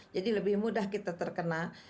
jadi lebih mudah kita terkena